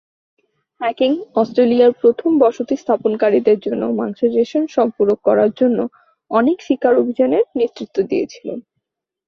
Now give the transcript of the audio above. Hacking অস্ট্রেলিয়ার প্রথম বসতি স্থাপনকারীদের জন্য মাংসের রেশন সম্পূরক করার জন্য অনেক শিকার অভিযানের নেতৃত্ব দিয়েছিল।